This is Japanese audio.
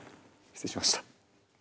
失礼しました。